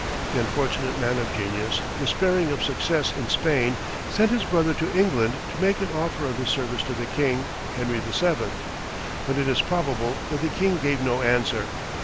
The unfortunate man of genius, despairing of success in Spain, sent his brother to England to make an offer of his services to the king, Henry VII. But it is probable that the king gave no answer.